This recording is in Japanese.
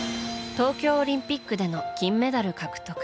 東京オリンピックでの金メダル獲得。